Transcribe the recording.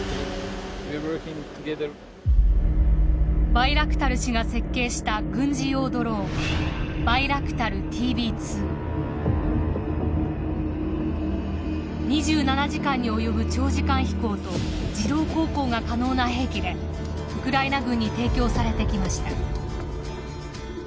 バイラクタル氏が設計した２７時間に及ぶ長時間飛行と自動航行が可能な兵器でウクライナ軍に提供されてきました。